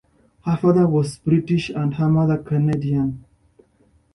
Her father was British and her mother Canadian.